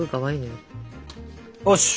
よし！